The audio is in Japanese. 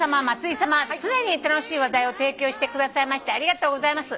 さま常に楽しい話題を提供してくださいましてありがとうございます」